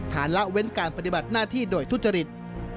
ละเว้นการปฏิบัติหน้าที่โดยทุจริต